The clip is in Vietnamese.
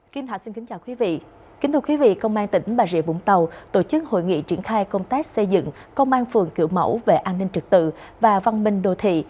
kính thưa quý vị công an tỉnh bà rịa vũng tàu tổ chức hội nghị triển khai công tác xây dựng công an phường kiểu mẫu về an ninh trực tự và văn minh đô thị